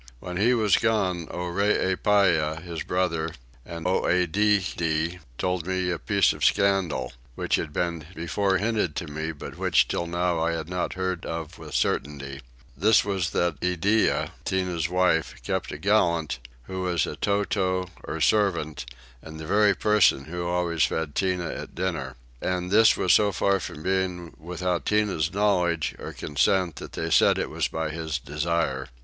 When he was gone Oreepyah, his brother, and Oedidde, told me a piece of scandal, which had been before hinted to me but which till now I had not heard of with certainty: this was that Iddeah, Tinah's wife, kept a gallant, who was a towtow, or servant, and the very person who always fed Tinah at dinner: and this was so far from being without Tinah's knowledge or consent that they said it was by his desire.